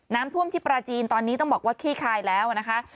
น้ำท่วมที่ปราจีนตอนนี้ต้องบอกว่าขี้คายแล้วนะคะ